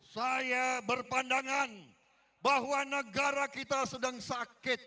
saya berpandangan bahwa negara kita sedang sakit